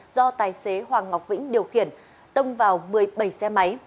do tài xế hoàng ngọc vĩnh điều khiển tông vào một mươi bảy xe máy